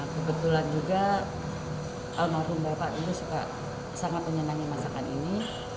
kebetulan juga almarhum bapak dulu suka sangat menyenangi masakan ini